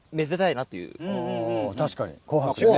確かに紅白でね。